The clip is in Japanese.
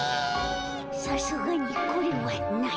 さすがにこれはない。